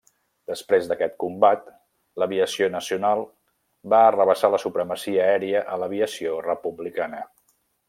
Després d'aquest combat, l'Aviació Nacional va arrabassar la supremacia aèria a l'Aviació Republicana.